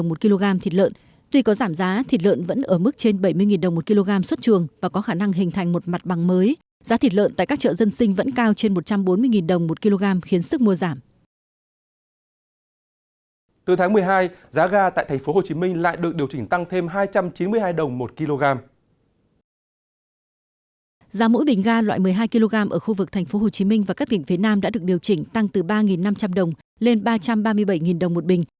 giá mỗi bình ga loại một mươi hai kg ở khu vực tp hcm và các tỉnh phía nam đã được điều chỉnh tăng từ ba năm trăm linh đồng lên ba trăm ba mươi bảy đồng một bình